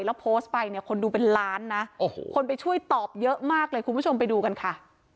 แล้วโพสต์ไปเนี่ยคนดูเป็นล้านนะโอ้โหคนไปช่วยตอบเยอะมากเลยคุณผู้ชมไปดูกันค่ะ